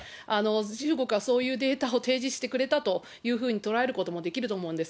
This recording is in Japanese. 中国はそういうデータを提示してくれたというふうに捉えることもできると思うんです。